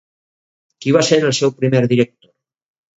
Qui va ser el seu primer director?